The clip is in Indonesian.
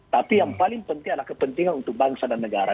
tapi yang paling penting adalah kepentingan untuk bangsa dan negara